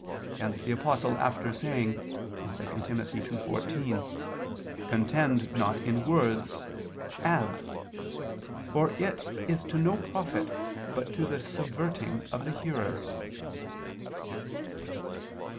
Hence the Apostle after saying (2 Tim. 2:14): "Contend not in words," adds, "for it is to no profit, but to the subverting of the hearers."